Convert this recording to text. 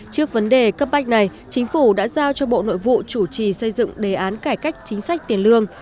trước vấn đề cấp bách này chính phủ đã giao cho bộ nội vụ chủ trì xây dựng đề án cải cách chính sách tiền lương